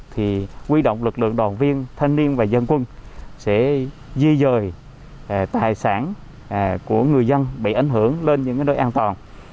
thì quy động lực lượng đoàn viên thanh niên và dân quân sẽ di dời tài sản của người dân bị ảnh hưởng lên những nơi an toàn